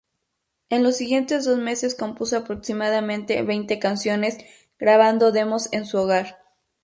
En los siguientes dos meses compuso aproximadamente veinte canciones, grabando demos en su hogar.